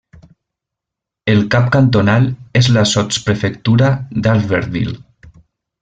El cap cantonal és la sotsprefectura d'Albertville.